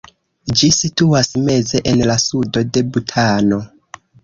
Ĝi situas meze en la sudo de Butano.